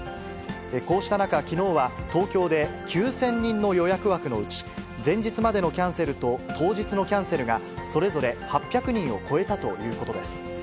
こうした中、きのうは東京で９０００人の予約枠のうち、前日までのキャンセルと当日のキャンセルが、それぞれ８００人を超えたということです。